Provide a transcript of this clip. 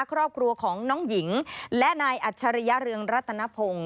ครอบครัวของน้องหญิงและนายอัจฉริยเรืองรัตนพงศ์